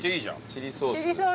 チリソース。